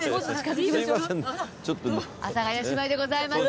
阿佐ヶ谷姉妹でございます。